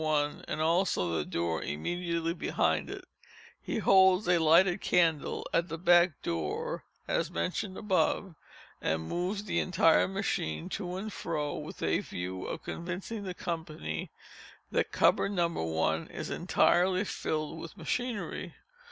I, and also the door immediately behind it, he holds a lighted candle at the back door (as mentioned above) and moves the entire machine to and fro with a view of convincing the company that the cupboard No. 1 is entirely filled with machinery.